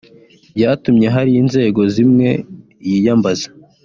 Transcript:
byatumye hari inzego zimwe yiyambaza